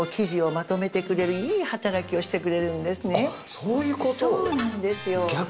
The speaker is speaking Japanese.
そうなんですよ